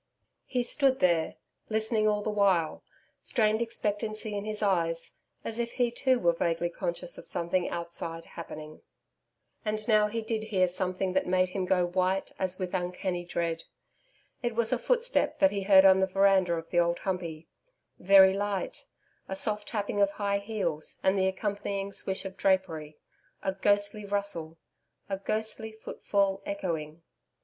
He stood there, listening all the while, strained expectancy in his eyes as if he too were vaguely conscious of something outside happening.... And now he did hear something that made him go white as with uncanny dread. It was a footstep that he heard on the veranda of the Old Humpey very light, a soft tapping of high heels and the accompanying swish of drapery a ghostly rustle 'a ghostly footfall echoing.'...